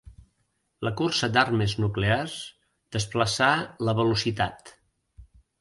La cursa d'armes nuclears desplaçà la velocitat.